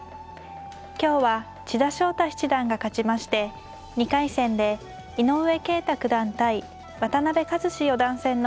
今日は千田翔太七段が勝ちまして２回戦で井上慶太九段対渡辺和史四段戦の勝者と対戦致します。